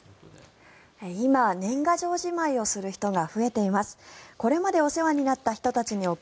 今年賀状じまいをする人が増えています。